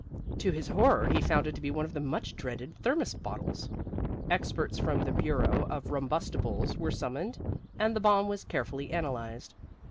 To his horror he found it to be one of the much dreaded thermos bottles. Experts from the Bureau of Rumbustibles were summoned, and the bomb was carefully analyzed.